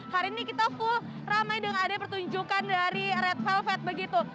hari ini kita full ramai dengan adanya pertunjukan dari red velvet begitu